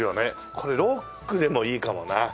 これロックでもいいかもな。